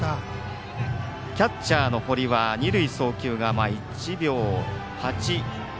キャッチャーの堀は二塁送球が１秒８。